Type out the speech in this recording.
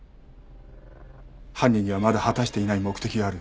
犯人にはまだ果たしていない目的がある。